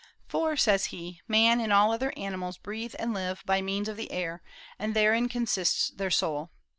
"For," says he, "man and all other animals breathe and live by means of the air, and therein consists their soul."